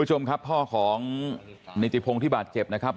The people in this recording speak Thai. คุณผู้ชมครับพ่อของนิติพงศ์ที่บาดเจ็บนะครับ